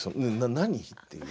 何？っていう。